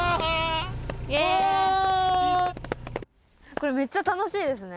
これめっちゃ楽しいですね。